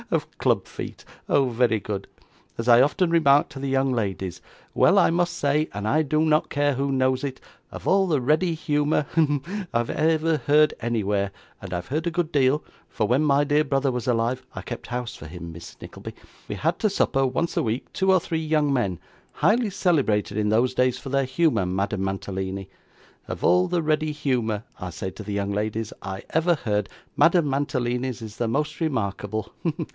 Of club feet! Oh very good! As I often remark to the young ladies, "Well I must say, and I do not care who knows it, of all the ready humour hem I ever heard anywhere" and I have heard a good deal; for when my dear brother was alive (I kept house for him, Miss Nickleby), we had to supper once a week two or three young men, highly celebrated in those days for their humour, Madame Mantalini "Of all the ready humour," I say to the young ladies, "I ever heard, Madame Mantalini's is the most remarkable hem.